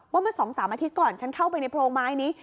เมื่อ๒๓อาทิตย์ก่อนฉันเข้าไปในโพรงไม้นี้